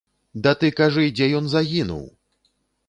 Да ты кажы, дзе ён загінуў!